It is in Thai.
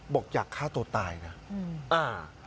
บอกอยากฆ่าตัวตายนะ